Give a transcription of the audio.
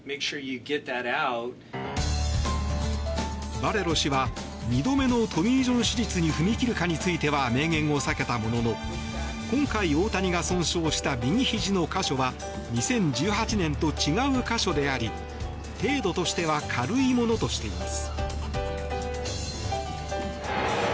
バレロ氏は２度目のトミー・ジョン手術に踏み切るかについては明言を避けたものの今回、大谷が損傷した右ひじの箇所は２０１８年と違う箇所であり程度としては軽いものとしています。